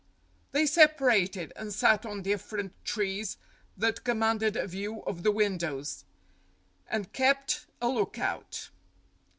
They separated, and sat on different trees that commanded a view of the windows, and kept a look out.